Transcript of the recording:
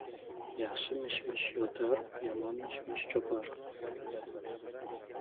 • Yaxshi mish-mish yotar, yomon mish-mish chopar.